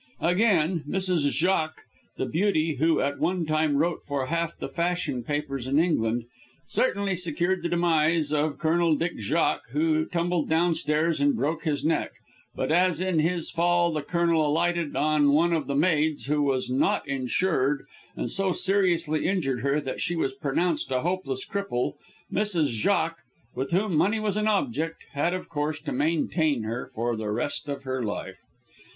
Again, Mrs. Jacques, the beauty, who, at one time, wrote for half the fashion papers in England, certainly secured the demise of Colonel Dick Jacques, who tumbled downstairs and broke his neck, but as in his fall the Colonel alighted on one of the maids, who was not insured, and so seriously injured her that she was pronounced a hopeless cripple, Mrs. Jacques with whom money was an object had, of course, to maintain her for the rest of her life.